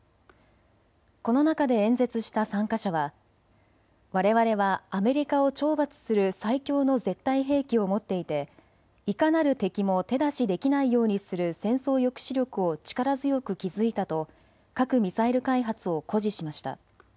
この中で演説した参加者はわれわれはアメリカを懲罰する最強の絶対兵器を持っていていかなる敵も手出しできないようにする戦争抑止力を力強く築いたと核・ミサイル開発を誇示しました。